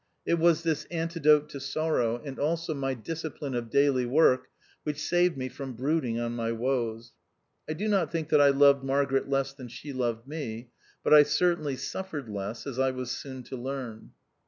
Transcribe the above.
It was this antidote to sorrow, and also my disci pline of daily work, which saved me from brooding on my woes. I do not think that I loved Margaret less than she loved me ; but I certainly suffered less, as I was soon to learn.